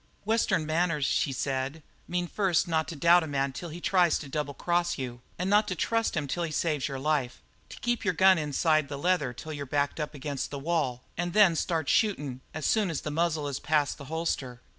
"Western manners," she said, "mean first not to doubt a man till he tries to double cross you, and not to trust him till he saves your life; to keep your gun inside the leather till you're backed up against the wall, and then to start shootin' as soon as the muzzle is past the holster.